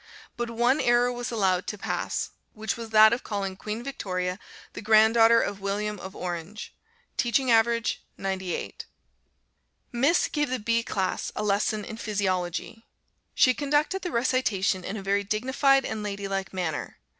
But one error was allowed to pass, which was that of calling Queen Victoria the grand daughter of William of Orange. Teaching average, 98. Miss gave the B class a lesson in Physiology. She conducted the recitation in a very dignified and lady like manner.